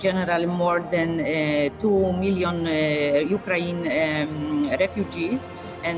lebih dari dua juta warga ukraina berkembang